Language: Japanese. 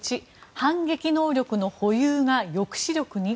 １反撃能力の保有が抑止力に？